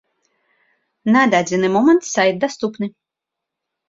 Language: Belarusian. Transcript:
На дадзены момант сайт даступны.